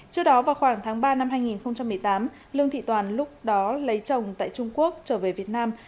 trước đó vào khoảng tháng ba năm hai nghìn một mươi tám lương thị toàn lúc đó lấy chồng tại trung quốc trở về việt nam